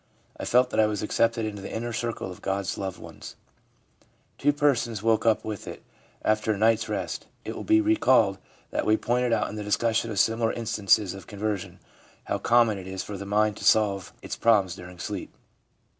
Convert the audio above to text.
I felt that I was accepted into the inner circle of God's loved ones/ Two persons ' woke up with it ' after a night's rest. It will be recalled that we pointed out in the discussion of similar instances of conversion how common it is for the mind to solve its problems during sleep.